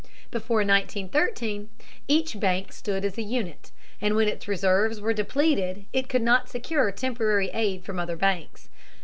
Before 1913, each bank stood as a unit, and when its reserves were depleted it could not secure temporary aid from other banks.